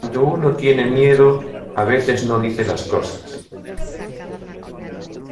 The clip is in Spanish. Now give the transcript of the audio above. cuando uno tiene miedo, a veces no dice las cosas